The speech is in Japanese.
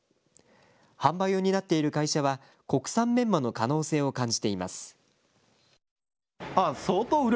販売を担っている会社は国産メンマの可能性を感じています。